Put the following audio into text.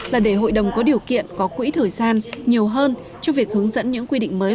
là để hội đồng có điều kiện có quỹ thời gian nhiều hơn cho việc hướng dẫn những quy định mới